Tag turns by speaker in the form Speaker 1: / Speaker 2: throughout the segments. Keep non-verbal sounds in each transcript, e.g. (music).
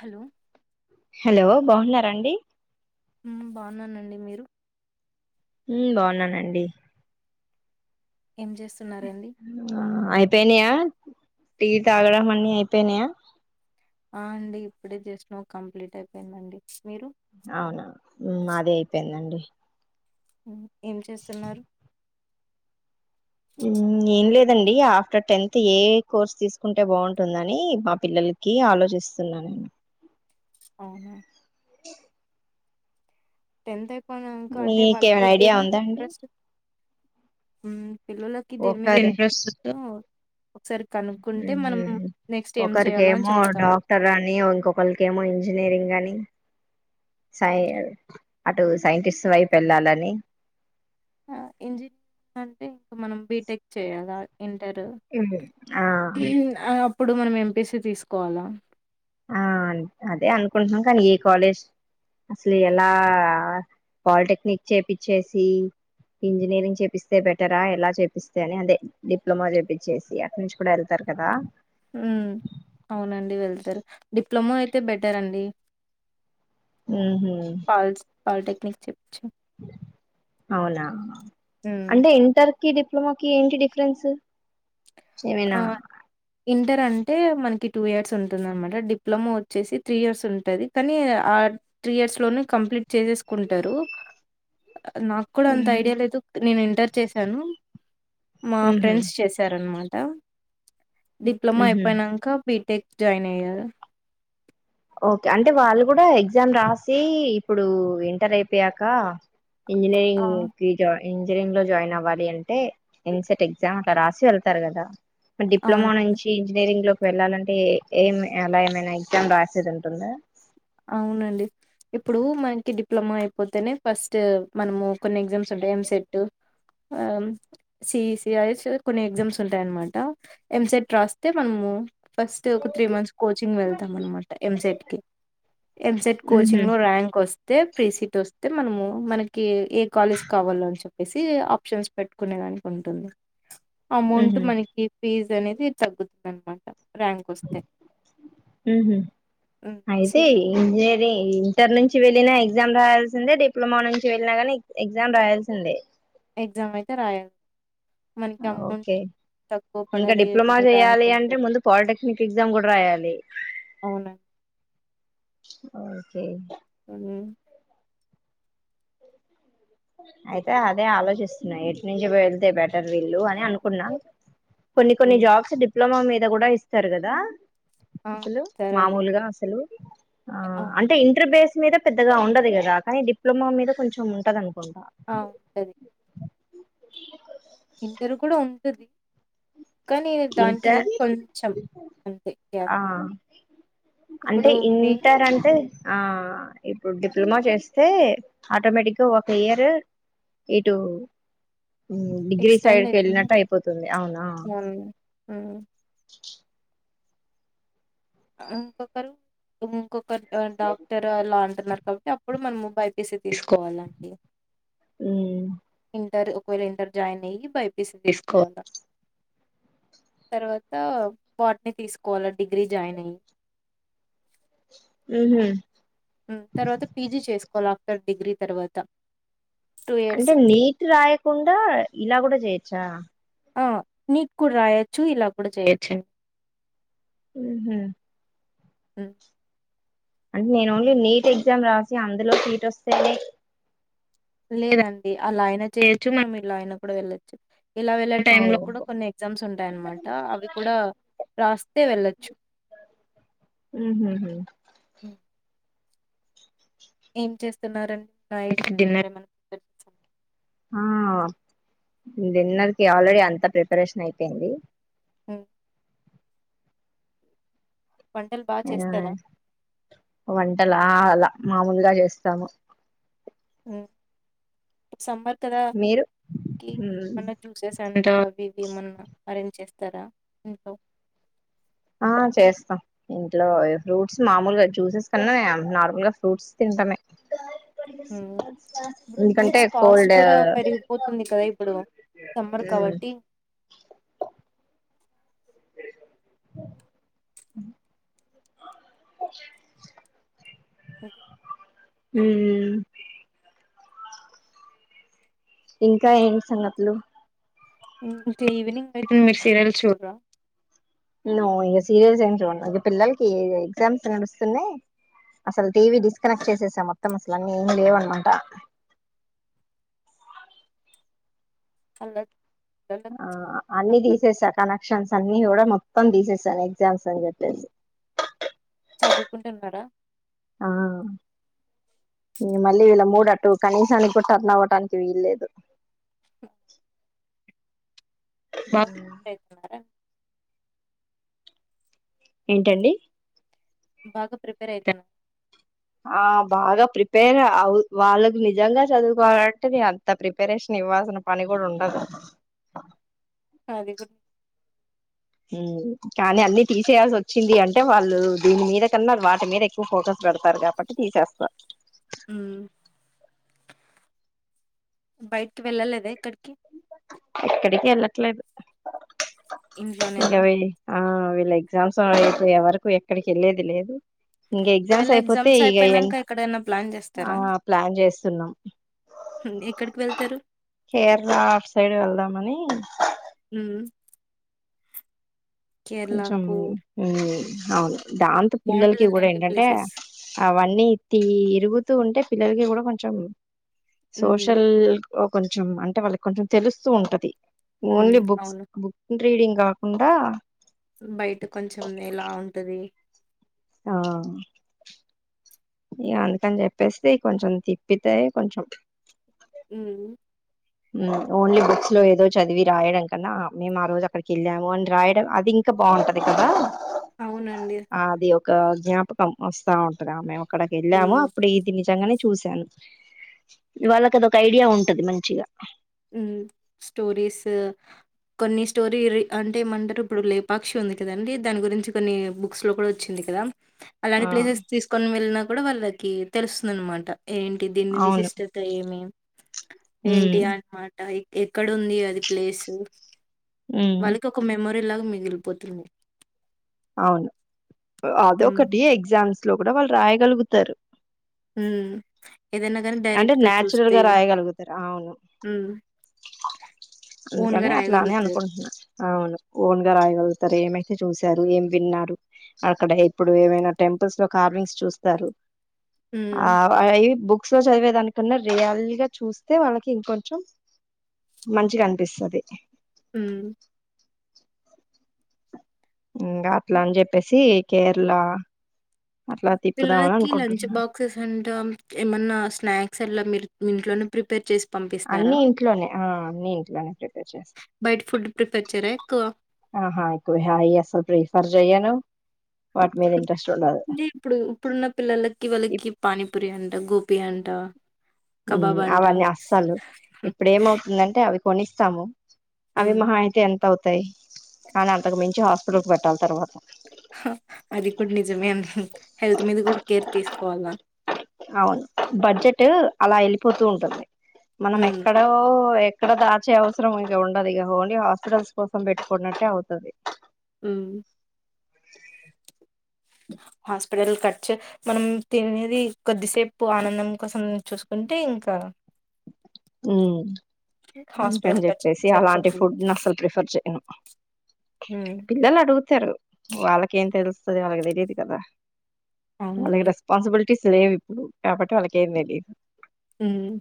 Speaker 1: Hello
Speaker 2: బాగున్నారంండి
Speaker 1: బాగున్నానండి మీరు
Speaker 2: బాగున్నానండి
Speaker 1: ఏం చేస్తున్నారండి
Speaker 2: ఆ అయిపోయినాయా టీ తాగడం అన్ని అయిపోయినాయా
Speaker 1: ఆ అండి ఇప్పుడే జస్ట్ నువ్ కంప్లీట్ అయిపోయిందండి మీరు
Speaker 2: అవునవు మాదే అయిపోయిందండి
Speaker 1: ఏం చేస్తున్నారు
Speaker 2: ఏం లేదండి ఆఫ్టర్ టెన్త్ ఏ కోర్స్ తీసుకుంటే బాగుంటుందని మా పిల్లల ఆలోచిస్తున్నా నేను
Speaker 1: ఓహ టెన్త్ అయిపోనాక అంటే వాళ్ళకి
Speaker 2: మీకేమైనా
Speaker 1: దే
Speaker 2: ఐడియా ఉందా అండి
Speaker 1: ఇంట్రెస్ట్ పిల్లలకి దేని మీద
Speaker 2: ఒకరి
Speaker 1: ఇంట్రెస్ట్ వా నెక్స్ట్ ఏం చేయాలో అని
Speaker 2: ఒకరికేమో
Speaker 1: చెప్తాం.
Speaker 2: డాక్టర్ అని ఇంకొకరికేమో ఇంజనీరింగ్ నీ సై అటు సైంటిస్ట్ వైపు వెళ్ళాలని
Speaker 1: ఇంజనీరింగ్ అంటే ఇంకా మనం బీటెక్ చేయాల వింటారు
Speaker 2: ఆ
Speaker 1: అప్పుడు మనం ఎంపిసి తీసుకోవాలా
Speaker 2: ఆ అదే అనుకుంటున్నాం కానీ ఏ కాలేజ్ అసలు ఎలా పాలిటెక్నిక్ చేపిచ్చేసి ఇంజనీరింగ్ చేపిస్తే బెటరా ఎలా చేపిస్తే అని అదే డిప్లొమా చేయిచ్చేసి అక్క నుంచి కూడా వెళ్తారు కదా
Speaker 1: అవునండి వెళ్తారు డిప్లొమాో అయితే బెటర్ అండి
Speaker 2: ఆ హ
Speaker 1: నిశ్చిచ్చ
Speaker 2: అవునా
Speaker 1: హ్మ్
Speaker 2: అంటే ఇంటర్ క డిప్లొమాకి ఏంటి డిఫరెన్స్ ఏమైనా
Speaker 1: ఆ ఇంటర్ అంటే మనకి టూ ఇయర్స్ ఉంటుంద అనమాట డిప్లొమా వచ్చేసి త్రీ ఇయర్స్ ఉంటుంది కానీ ఆ త్రీ ఇయర్స్ లోనూ కంప్లీ చేసేసుకుంటారు నాకు కూడా అంత ఐడియా లేదు నేను ఎంటర్ చేశాను మా
Speaker 2: ఉహు
Speaker 1: ఫ్రెండ్స్ చేసారన్నమాట డిప్లొమా
Speaker 2: ఉహు
Speaker 1: అయిపోయినాక బీటెక్ జాయిన్ అయ్యారు
Speaker 2: ఓకే అంటే వాళ్ళు కూడా ఎగ్జామ్ రాసి ఇప్పుడు ఎంటర్ అయిపోయాక
Speaker 1: ఆ!
Speaker 2: ఇంజనీయరింగ్ క జాయి ఇంజనీరింగ్ లో జాయిన్ అవ్వాలి అంటే ఎన్సెట్ ఎగ్జామ్ అట్లా రాసి వెళ్తారు కదా డిప్లొమా
Speaker 1: అవునండి.
Speaker 2: నుంచి ఇంజనీరింగ్ లోకి వెళ్ళాలంటే ఏం ఎలా ఏమైనా ఎగ్జామ్ రా సరంటన్నా
Speaker 1: అవునండి ఇప్పుడు మనకి డిప్లొమా అయిపోతేనే ఫస్ట్ మనము కొన్ని ఎగ్జామ్స్ ఉంటాయి ఎంసెట్ ఆ సిఈసి అ కొన్ని ఎగ్జామ్స్ ఉంటాయన్నమాట ఎంసెట్ రాస్తే మనము ఫస్ట్ ఒక త్రీ మంత్స్ కోచింగ్ వెళ్తాం అనమాట ఎంసెట్ కి ఎంసెట్
Speaker 2: ఉహు
Speaker 1: కోచింగ్ లో ర్యాంక్ వస్తే ప్రీ సీట్ వస్తే మనము మనకి ఏ కాలేజ్ కావాలో అని చెప్పేసి ఆప్షన్స్ పెట్టు ఇంతనే అనుకుంటున్న, అమౌంట్
Speaker 2: ఉహు
Speaker 1: మనకి ఫీజ్ అనేది తగ్గుతుంది అనమాట ర్యాంక్ వస్తే
Speaker 2: ఉహు అయితే
Speaker 1: సీట్
Speaker 2: ఇంజనీరింగ్ ఇంటర్ నుంచి వెళ్ళిన ఎగ్జామ్ రాయాల్సిందే డిప్లొమా నుంచి వెళ్ళిన కాగానీ ఎగ్జామ్ రాయాల్సిందే,
Speaker 1: ఎగ్జామ్ అయితే రాయాలి మనకి అమౌంట్
Speaker 2: ఓకే
Speaker 1: తక్కువ
Speaker 2: ఇంకా
Speaker 1: పడాలి
Speaker 2: డిప్లొమా
Speaker 1: మన ర్యాంక్
Speaker 2: చేయాలి, అంటే
Speaker 1: ఉంటది
Speaker 2: ముందు పాలిటెక్నిక్ ఎగ్జామ్ కూడా రాయాలి.
Speaker 1: అవును
Speaker 2: ఒకే
Speaker 1: ఉ
Speaker 2: అయితే అదే ఆలోచిస్తున్నా ఎటు నుంచి వెళ్తే బెటర్ వీళ్ళు అని అనుకున్నా, కొన్ని కొన్ని
Speaker 1: హ్మ్.
Speaker 2: జాబ్స్ డిప్లొమా మీద కూడా ఇస్తారు, కదా
Speaker 1: ఆ!
Speaker 2: అసలు
Speaker 1: సరే అండి
Speaker 2: మామూలుగా అసలు ఆ
Speaker 1: అవును
Speaker 2: అంటే ఇంటర్ బేస్ మీద పెద్దగా ఉండదు కదా కానీ డిప్లొమా మీద కొంచెం ఉంటదను,
Speaker 1: ఆ ఉం కూడా ఉంటది, కానీ దానికి
Speaker 2: ఇంటర్
Speaker 1: దీన్ని కొంచం అంతే గ్యాప్
Speaker 2: ఆ అంటే
Speaker 1: ఇప్పుడు మే
Speaker 2: ఇంటారు అంటే ఆ ఇప్పుడు డిప్లొమా చేస్తే ఆటోమేటిక్గా ఒక ఇయర్ ఇటు డిగ్రీ
Speaker 1: ఎక్స్టెండ్
Speaker 2: సైడ్కి వెళ్ళినట్టు అయిపోతుంది, అ అవునా
Speaker 1: ఉ
Speaker 2: (unintelligible)
Speaker 1: ఇంకొకరు ఇంకొకరు డాక్టర్ అలాంటి న్నారు కాబట్టి అప్పుడు మనం బైపిసి తీసుకోవాలండి,
Speaker 2: ఉ
Speaker 1: ఇంటర్ ఒకవేళ ఇంటర్ జాయిన్ అయ్యి బైపీసి తీసుకోవాలా, తర్వాత పార్ట్ తీసుకోవాలి డిగ్రీ జాయినింగ్
Speaker 2: (unintelligible)
Speaker 1: తర్వాత పీజీ చేసుకోవాలి ఆఫ్టర్ డిగ్రీ తర్వాత, టూ ఇయర్స్
Speaker 2: అంటే నీట్ రాయకుండా ఇలా కూడా చేయొచ్చా,
Speaker 1: ఆ నీట్ కు కూడా రాయొచ్చు ఇలా కూడా చేయొచ్చు,
Speaker 2: ఉహు
Speaker 1: ఉ
Speaker 2: అంటే నేను ఓన్లీ నీట్ ఎగ్జామ్ రాసి అందులో సీట్ వస్తేనే,
Speaker 1: లేదండి అలా ఆయన చేయొచ్చు మనము ఇలా ఆయన కూడా వెళ్ళచ్చు, ఇలా వెళ్ళ టైం లో కూడా
Speaker 2: ఓహో
Speaker 1: కొన్ని ఎగ్జామ్స్ ఉంటాయన్నమాట అవి కూడా రాస్తే వెళ్ళొచ్చు,
Speaker 2: ఉ హు హు
Speaker 1: హ్మ్. ఏం చేస్తున్నారడి నా డిన్నర్ ఏమించ
Speaker 2: ఆ డిన్నర్కి ఆల్రెడీ అంతా ప్రిపరేషన్ అయిపోయింది.
Speaker 1: ఉ వంటలు బా చేస్తారా?
Speaker 2: ఆ వంటలా అలా మామూలుగా చేస్తాము,
Speaker 1: సమ్మర్ ఇక్కడ
Speaker 2: మీరు
Speaker 1: క
Speaker 2: మ్మ్.
Speaker 1: మ జ్యూసెస్ అంటవి ఇవి ఏమన్నా అరేంజ్ చేస్త, ఇంకా రా
Speaker 2: ఆ చేస్తా ఇంట్లో ఫ్రూట్స్ మామూలుగా జ్యూసెస్ కన్నా నార్మల్ గా ఫ్రూట్స్ తింటామే,
Speaker 1: ఉ
Speaker 2: ఎందుకంటే
Speaker 1: ఫ్రూట్స్ కాస్ట్
Speaker 2: కోల్డ్
Speaker 1: కూడా పెరిగిపోతుంది కదా ఇప్పుడు, సమ్మర్
Speaker 2: ఉమ్
Speaker 1: కాబట్టి హుమ్
Speaker 2: ఉమ్మ్ ఇంకా ఏంటి సంగతులు
Speaker 1: ఈవినింగ్ అయితే మీరు సీరియల్స్ చూడరా
Speaker 2: నో ఇగ సీరియల్స్ ఏం చూడను ఇగ పిల్లలకి ఎగ్జామ్స్ నడుస్తున్నాయి అసలు టీవీ డిస్కనెక్ట్ చేసేసా మొత్తం అసలు అన్నీ ఏం లేవనమాట
Speaker 1: అల్లాగ్
Speaker 2: ఆ అన్ని తీసేస్తా కనెక్షన్స్ స్ అన్నీ కూడా మొత్తం తీసేసాను ఎగ్జామ్స్ అని చెప్పేసి
Speaker 1: చదువుకుంటున్నారా
Speaker 2: ఆ మళ్ళీ వీళ్ళ మూడు అటు కనీసానికి కూడా టర్న్ అవ్వటానికి వీల్లేదు
Speaker 1: హ్ బ (unintelligible) అయితున్నారా
Speaker 2: ఏంటండి
Speaker 1: బాగా ప్రిపేర్ అయితా
Speaker 2: ఆ బాగా ప్రిపేర్ అ వాళ్ళకి నిజంగా చదువుకోవాలంటే నే అంత ప్రిపరేషన్ నివ్వాల్సిన పని కూడా ఉండదు
Speaker 1: అది గు
Speaker 2: హూ కానీ అన్ని తీసేయాల్సి వచ్చింది అంటే వాళ్ళు దీని మీద కన్నా వాటి మీద ఎక్కువ ఫోకస్ పెడతారు అదొక్కటి తీసేస్తా
Speaker 1: ఉమ్ బయటికి వెళ్ళలేద ఎక్కడ్క్
Speaker 2: ఎక్కడికి ఏళ్ళట్లేదు ఇగ
Speaker 1: ఇంట్లోనేనా
Speaker 2: వీ ఆ వీళ్ళ ఎగ్జామ్స్ అయిపోయే వరకు ఎక్కడికి వెళ్ళేది లేదు ఇంకా ఎగ్జామ్స్
Speaker 1: ఒకవేళ
Speaker 2: అయిపోతే ఇగ ఏన్
Speaker 1: అయిపోయినాక ఎక్కడైనా ప్లాన్
Speaker 2: ప్లాన్ చేస్తున్నాం
Speaker 1: హ్ ఎక్కడికి వెళ్తారు
Speaker 2: అప్ సైడ్ వెళ్దామని
Speaker 1: ఉహ్
Speaker 2: కొంచెం ఉ అవును దాంతో పిల్లలకి
Speaker 1: బాగుంటది
Speaker 2: కూడా
Speaker 1: లేండి
Speaker 2: ఏంటంటే
Speaker 1: ప్లేసెస్
Speaker 2: అవన్నీ తీ రుగుతూ ఉంటే పిల్లలకి కూడా కొంచెం
Speaker 1: మ్మ్.
Speaker 2: సోషల్ కొంచెం అంటే వాళ్ళకి కొంచెం తెలుస్తూ ఉంటది ఓన్లీ
Speaker 1: మ్మ్.
Speaker 2: బుక్స్
Speaker 1: అవును
Speaker 2: బుక్ రీడింగ్ కాకుండా
Speaker 1: బయట కొంచెం ఎలా ఉంటది
Speaker 2: ఆ ఇగ అందుకని చెప్పేసీ కొంచెం తిప్పితే కొంచెం
Speaker 1: ఉమ్
Speaker 2: ఊ ఓన్లీ బుక్స్ లో ఏదో చదివి రాయడం కన్నా మేము ఆ రోజు అక్కడికి వెళ్ళాము అని రాయడం అది ఇంకా బాగుంటది కదా
Speaker 1: అవునండి
Speaker 2: ఆ అది ఒక జ్ఞాపకం వస్తా ఉంటది ఆ మేము అక్కడికి వెళ్ళాము
Speaker 1: మ్మ్.
Speaker 2: అప్పుడు ఇది నిజంగానే చూశాను ఈ వాళ్ళకి అది ఒక ఐడియా ఉంటది మంచిగా
Speaker 1: ఊమ్ స్టోరీస్ కొన్ని స్టోరీ అంటే ఏమంటారు ఇప్పుడు లేపాక్షి ఉంది కదండి దాని గురించి కొన్ని బుక్స్ లో కూడా వచ్చింది కదా అలాంటి
Speaker 2: ఆ
Speaker 1: ప్లేసెస్ తీసుకొని వెళ్ళినా కూడా వాళ్ళకి తెలుస్తుందనమాట ఏంటి దీని
Speaker 2: అవును
Speaker 1: విశిష్టత ఏమి ఏంటి
Speaker 2: ఉమ్
Speaker 1: అం ఆటా ఎక్కడ ఉంది అది ప్లేసు
Speaker 2: ఉమ్
Speaker 1: వాళ్ళకి ఒక మెమోరీ లాగా మిగ్ గిలిపోతుంది
Speaker 2: అవును అదొకటి ఎగ్జామ్స్ లో కూడా వాళ్ళు రాయగలుగుతారు
Speaker 1: హ్మ్ ఏదైనా గాని
Speaker 2: అంటే
Speaker 1: డైరెక్ట్‌గా
Speaker 2: న్యాచురల్
Speaker 1: చూస్తే
Speaker 2: గా రాయగలుగుతారు ఆ అవును
Speaker 1: హ్మ్. ఓన్‌గా
Speaker 2: అందుకని అట్లానే
Speaker 1: రాయగలుగుతారు.
Speaker 2: అనుకుంటున్నా అవును ఓన్గా రాయగలుగుతారు ఏమైతే చూసి ఏం విన్నారు అక్కడ ఇప్పుడు ఏమైనా టెంపుల్స్ లో కార్వింగ్ చూస్తారు
Speaker 1: హ్మ్.
Speaker 2: ఆ అయ్యి బుక్ బుక్స్ లో చదివేదానికున్నా రియల్ గా చూస్తే వాళ్ళకి ఇంకొంచెం మంచిగా అనిపిస్తది
Speaker 1: హ
Speaker 2: ఇంగా అట్లా అని చెప్పేసి కేరళ అట్లా తిప్పుదామని
Speaker 1: పిల్లలకి లంచ్
Speaker 2: అనుకుంటున్నా
Speaker 1: బాక్సెస్ అంటా ఏమన్నా స్నాక్స్ అట్లా మీరు మీ ఇంట్లోనే ప్రిపేర్ చేసి
Speaker 2: అన్ని
Speaker 1: పంపిస్తారా?
Speaker 2: ఇంట్లోనే ఆ అన్ని ఇంట్లోనే ప్రిపేర్ చేస్తాం
Speaker 1: బయట ఫుడ్ ప్రిఫర్ చేయరా ఎక్కువ?
Speaker 2: ఆహా హాకు హాయ్ అసలు ప్రిఫర్ జయ్యాను
Speaker 1: ఇప్పుడు ఇప్పుడున్న పిల్లలకి
Speaker 2: ఇప్
Speaker 1: వాళ్ళకి పానీపురి అంటే గోపి పి అంట
Speaker 2: ఉ
Speaker 1: కబాబ్ అంట
Speaker 2: అవన్నీ అస్సలు ఇప్పుడు ఏమవుతుందంటే అవి కొనిస్తాము అవి
Speaker 1: హ్మ్.
Speaker 2: మాహయితే ఎంత అవుతాయి కానీ అంతకు మించి హాస్పిటల్ కు పెట్టాలి తర్వాత
Speaker 1: అది కూడా నిజమే అండి హెల్త్ మీద కూడా కేర్ తీసుకోవలనా
Speaker 2: అవును బడ్జెట్ అలా వెళ్ళిపోతూ ఉంటుంది మనం
Speaker 1: హ్మ్.
Speaker 2: ఎక్కడో ఎక్కడో దాచే అవసరం ఇంక ఉండదు ఇక ఓన్లీ హాస్పిటల్స్ కోసం పెట్టుకునట్టే అవుతది
Speaker 1: ఉమ్ ఆ హాస్పిటల్ ఖర్చు మనం తినేది కొద్దిసేపు ఆనందం కోసం చూసుకుంటే ఇంకా
Speaker 2: ఉమ్
Speaker 1: హాస్పిటల్
Speaker 2: అందుకని
Speaker 1: ఖర్చు
Speaker 2: చెప్పేసి అలాంటి
Speaker 1: సరిపోతుంది.
Speaker 2: ఫుడ్ ని అసలు ప్రిఫర్ చేయను
Speaker 1: హ్మ్.
Speaker 2: పిల్లలు అడుగు తరు వాళ్ళకేం తెలుస్తుంది వాళ్ళకి తెలిదు కదా వాళ్ళకి
Speaker 1: అవునండి.
Speaker 2: రెస్పాన్సిబులిటీ టీస్ లేవు ఇప్పుడు కాబట్టి వాళ్ళకేం తెలీదు
Speaker 1: ఉమ్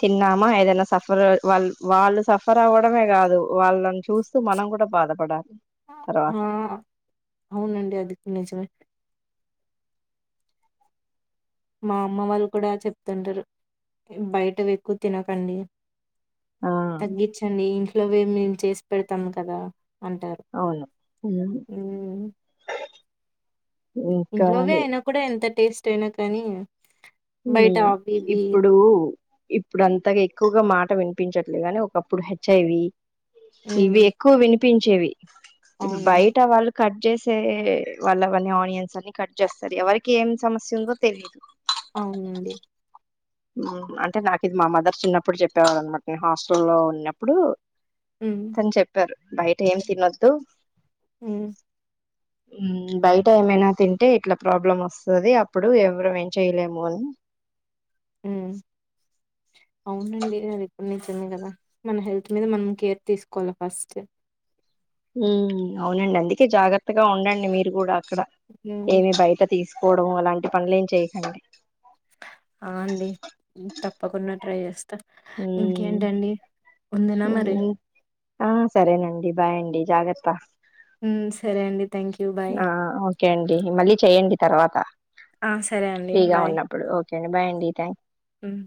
Speaker 2: చిన్నామా ఏదైనా సఫర్ వాళ్ వాళ్ళు సఫర్ అవ్వడమే కాదు వాళ్ళని చూస్తూ మనం కూడ కూడా బాధపడ
Speaker 1: హా అవునండి అది కూడ నిజమే మా అమ్మ వాళ్ళు కూడా చెప్తుంటారు బయటవి ఎక్కువ తినకండి
Speaker 2: ఆ
Speaker 1: తగ్గించండి ఇంట్లో మేము చేసి పెడతాము కదా అంటారు
Speaker 2: అవును ఉమ్,
Speaker 1: ఉమ్
Speaker 2: ఇంకా
Speaker 1: ఇంట్లోవే అయినా కూడా ఎంత టేస్ట్ అయినా కానీ బయట అవి ఇవి
Speaker 2: ఇప్పుడు ఇప్పుడు అంతగా ఎక్కువగా మాట మాట వినిపించట్లేగాని ఒకప్పుడు హెచ్ఐవి ఇవి
Speaker 1: మ్మ్
Speaker 2: ఎక్కువ వినిపించేవి ఇప్పుడు
Speaker 1: అవునండి
Speaker 2: బయట వాళ్ళు కట్ కట్ చేసే వాళ్ళవన్నీ ఆనియన్స్ అన్ని కట్ చేస్తారు ఎవరికి ఏం సమస్య ఉందో తెలీదు
Speaker 1: అవునండి
Speaker 2: అంటే నాకు ఇది మా మదర్ చిన్నప్పుడు చెప్పేవాళ్ళు అనమాట నేను హాస్టల్ లో ఉన్నప్పుడు
Speaker 1: మ్మ్
Speaker 2: తను చెప్పారు బయట ఏం తినొద్దు
Speaker 1: ఉ
Speaker 2: ఉమ్ బయట ఏమైనా తింటే ఇట్లా ప్రాబ్లం వస్తుది అప్పుడు ఎవరము ఏం చెయలేము అని
Speaker 1: ఉ అవునండి అది ఎప్పుడు నుంచి వుంది కదా మన హెల్త్ మీద మనం కేర్ తీసుకోవాలి ఫస్ట్
Speaker 2: ఉ అవునండి అందుకే జాగ్రత్తగా ఉండండి మీరు కూడా అక్కడ
Speaker 1: మ్మ్
Speaker 2: ఏమి బయట తీసుకోవడం అలాంటి పనులు ఏం చేయకండి
Speaker 1: అ అండి తప్పకుండా ట్రై చేస్తా ఇంకేంటండి ఉండనా మరి
Speaker 2: ఆ సరేనండి బాయ్ అండి జాగ్రత్త
Speaker 1: మ్మ్ సరే అండి థ్యాంక్ యూ బాయ్
Speaker 2: ఆ ఓకే అండి మళ్ళీ చెయ్యండి తర్వాత
Speaker 1: ఆ సరే అండి బాయ్
Speaker 2: కే అండి బాయ్ అండి త్యాం
Speaker 1: మ్మ్